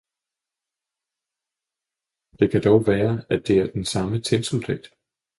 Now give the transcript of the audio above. Det kan dog være at det er den samme tinsoldat!